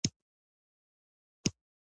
هېواد زموږ پېژندنه ده